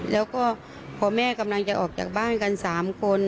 แล้วก็พอแม่กำลังจะออกจากบ้านกัน๓คน